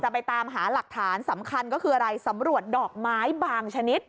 ไปตามหาหลักฐานสำคัญก็คืออะไรสำรวจดอกไม้บางชนิด